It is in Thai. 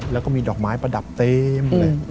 แล้วก็มีดอกไม้ประดับเต็มเลย